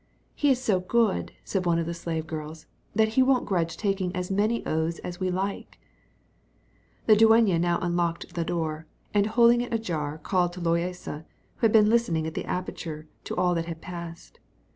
"He is so good," said one of the slave girls, "that he won't grudge taking as many oaths as we like." The dueña now unlocked the door, and holding it ajar called to Loaysa, who had been listening at the aperture to all that had passed.